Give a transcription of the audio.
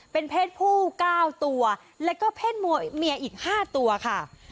เป็นเพศผู้๙ตัวแล้วก็เพศเมียอีก๕ตัวค่ะ